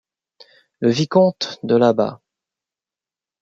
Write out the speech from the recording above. Le vicomte de là-bas